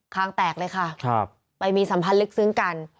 คางแตกเลยค่ะไปมีสัมพันธ์ลึกซึ้งกัน